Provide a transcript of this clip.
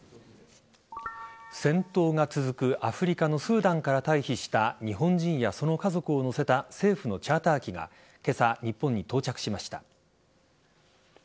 戦闘が続くアフリカのスーダンから退避した日本人やその家族を乗せた政府のチャーター機が今朝、日本に到着しました。